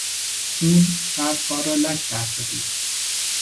خون برفها را لک کرده بود.